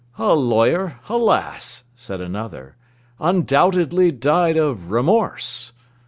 "A lawyer? Alas!" said another, "Undoubtedly died of remorse!"